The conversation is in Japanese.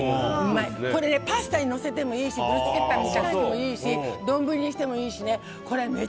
パスタにのせてもいいしブルスケッタみたいにしてもいいし丼にしてもいいしね。